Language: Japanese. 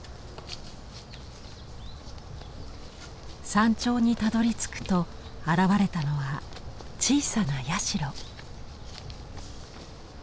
山頂にたどりつくと現れたのは小さな社。